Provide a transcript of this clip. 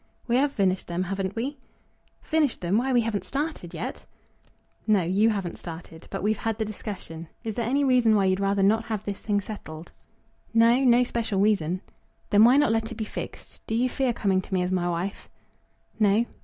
"We have finished them; haven't we?" "Finished them! why we haven't started yet." "No; you haven't started. But we've had the discussion. Is there any reason why you'd rather not have this thing settled." "No; no special reason." "Then why not let it be fixed? Do you fear coming to me as my wife?" "No."